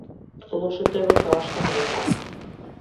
Лошото е во тоа што не е така.